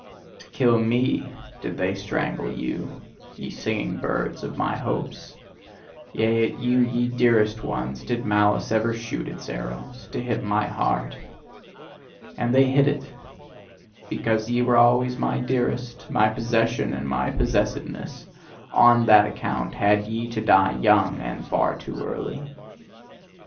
To kill ME, did they strangle you, ye singing birds of my hopes! Yea, at you, ye dearest ones, did malice ever shoot its arrows to hit my heart! And they hit it! Because ye were always my dearest, my possession and my possessedness: ON THAT ACCOUNT had ye to die young, and far too early!